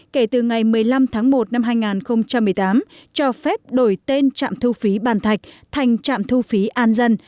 kể từ ngày một mươi năm tháng một năm hai nghìn một mươi tám cho phép đổi tên trạm thu phí bàn thạch thành trạm thu phí an dân